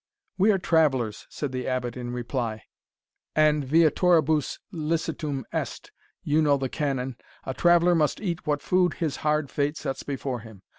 "We are travellers," said the Abbot, in reply, "and viatoribus licitum est You know the canon a traveller must eat what food his hard fate sets before him.